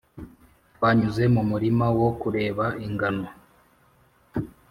twanyuze mu murima wo kureba ingano,